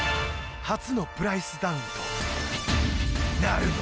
初のプライスダウンとなるのか！？